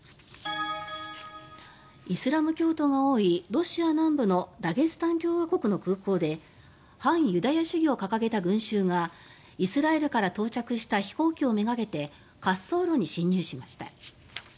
イスラム教徒が多いロシア南部のダゲスタン共和国の空港で反ユダヤ主義を掲げた群衆がイスラエルから到着した飛行機をめがけて滑走路に侵入しました。